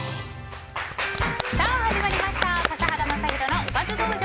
始まりました笠原将弘のおかず道場。